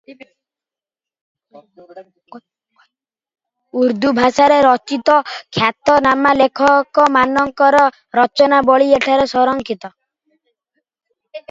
ଉର୍ଦ୍ଦୁ ଭାଷାରେ ରଚିତ ଖ୍ୟାତନାମା ଲେଖକମାନଙ୍କର ରଚନାବଳୀ ଏଠାରେ ସଂରକ୍ଷିତ ।